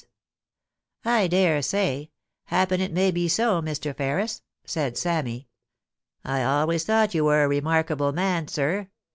* I dare say. Happen it may be so, Mr. Ferris,' said Sammy. *I always thought you were a remarkable man, sir.